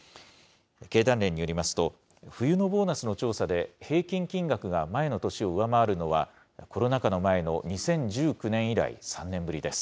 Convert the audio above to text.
経団連によりますと、冬のボーナスの調査で、平均金額が前の年を上回るのは、コロナ禍の前の２０１９年以来、３年ぶりです。